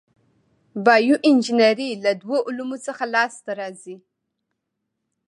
بایو انجنیری له دوو علومو څخه لاس ته راځي.